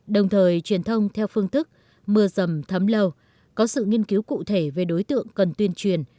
đồng thời truyền thông theo phương thức mưa dầm thấm lâu có sự nghiên cứu cụ thể về đối tượng cần tuyên truyền